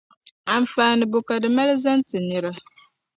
Anfaani bo ka di mali zaŋ ti nira?